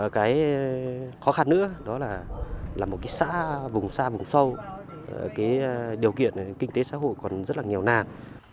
cái khó khăn nữa đó là một cái xã vùng xa vùng sâu cái điều kiện kinh tế xã hội còn rất là nghèo nàn